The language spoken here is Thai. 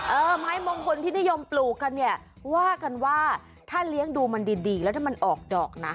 ไม้มงคลที่นิยมปลูกกันเนี่ยว่ากันว่าถ้าเลี้ยงดูมันดีแล้วถ้ามันออกดอกนะ